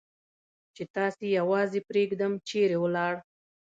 چې تاسې یوازې پرېږدم، چېرې ولاړ؟